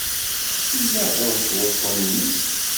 Yella ɣur-k wuṭṭun-ines?